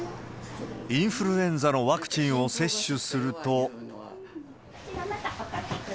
インフルエンザのワクチンを接種すると。